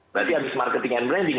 berarti habis marketing and branding